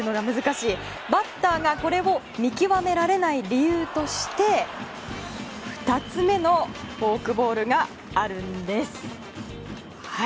バッターがこれを見極められない理由として２つ目のフォークボールがあるんです。